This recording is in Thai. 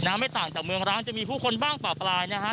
ไม่ต่างจากเมืองร้างจะมีผู้คนบ้างป่าปลายนะฮะ